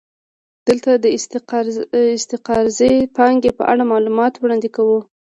دلته د استقراضي پانګې په اړه معلومات وړاندې کوو